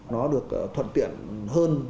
nó được thuận tiện hơn